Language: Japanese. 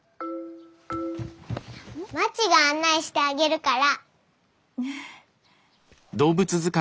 まちが案内してあげるから。